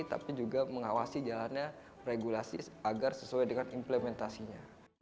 tapi juga mengawasi jalannya regulasi agar sesuai dengan implementasinya